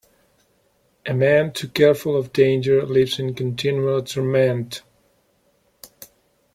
A man too careful of danger lives in continual torment.